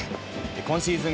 今シーズン